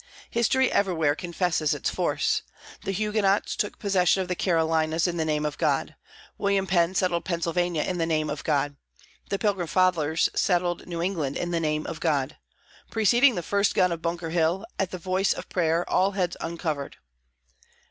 History everywhere confesses its force. The Huguenots took possession of the Carolinas in the name of God. William Penn settled Pennsylvania in the name of God. The Pilgrim Fathers settled New England in the name of God. Preceding the first gun of Bunker Hill, at the voice of prayer, all heads uncovered.